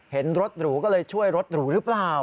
เห็นรถหรูก็เลยช่วยรถหรูหรือเปล่า